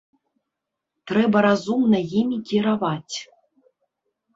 Трэба разумна імі кіраваць.